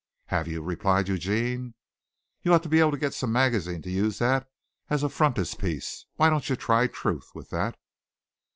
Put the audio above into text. "Have you?" replied Eugene. "You ought to be able to get some magazine to use that as a frontispiece. Why don't you try Truth with that?"